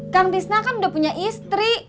kang bisna kan udah punya istri